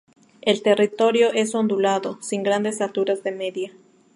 El territorio es ondulado, sin grandes alturas de media.